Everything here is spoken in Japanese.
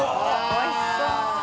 おいしそう！